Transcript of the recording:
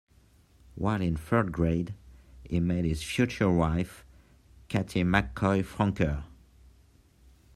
While in third grade, he met his future wife, Catie McCoy Francoeur.